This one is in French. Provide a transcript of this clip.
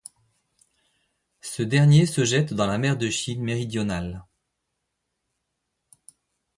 Ce dernier se jette dans la Mer de Chine méridionale.